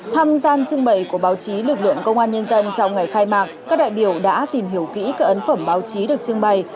tham gia trưng bày của báo chí lực lượng công an nhân dân trong ngày khai mạc các đại biểu đã tìm hiểu kỹ các ấn phẩm báo chí được trưng bày